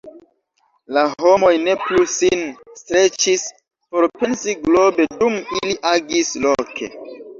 La homoj ne plu sin streĉis por pensi globe dum ili agis loke.